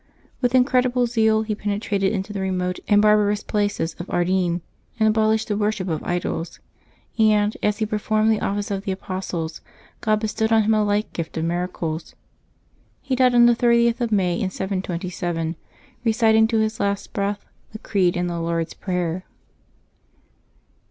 With incredible zeal he penetrated into the most remote and barbarous places of Ardenne, and abolished the worship of idols; and, as he performed the office of the apostles, God bestowed on him a like gift of miracles. He died on the 30th of May, in 727, reciting to his last breath the Creed and the Lord's Prayer.